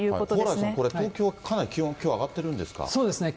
蓬莱さん、これ東京はかなり気温、きょう上がってるんですかそうですね。